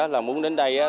là muốn đến đây